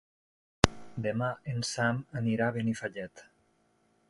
Demà en Sam anirà a Benifallet.